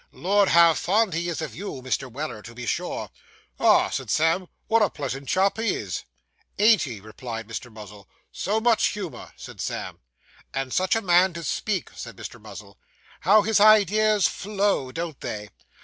Lord, how fond he is of you, Mr. Weller, to be sure!' 'Ah!' said Sam, 'what a pleasant chap he is!' 'Ain't he?' replied Mr. Muzzle. 'So much humour,' said Sam. 'And such a man to speak,' said Mr. Muzzle. 'How his ideas flow, don't they?